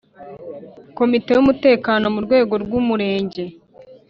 Komite y umutekano ku rwego rw Umurenge